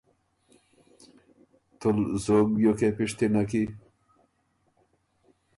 تُول زوک بیوکې پِشتِنه کی؟